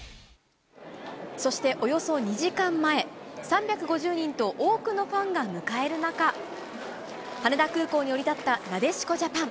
そしておよそ２時間前、３５０人と多くのファンが迎える中、羽田空港に降り立ったなでしこジャパン。